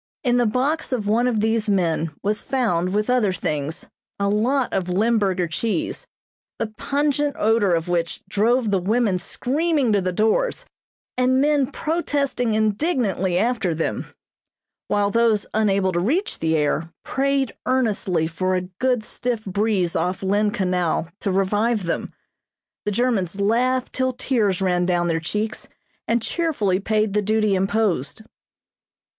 In the box of one of these men was found with other things a lot of Limburger cheese, the pungent odor of which drove the women screaming to the doors, and men protesting indignantly after them; while those unable to reach the air prayed earnestly for a good stiff breeze off Lynn Canal to revive them. The Germans laughed till tears ran down their cheeks, and cheerfully paid the duty imposed.